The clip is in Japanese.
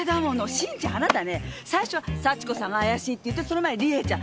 新ちゃんあなたね最初は幸子さんが怪しいって言ってその前に理恵ちゃん。